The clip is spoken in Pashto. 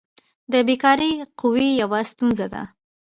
د بیکاري قوي یوه ستونزه ده.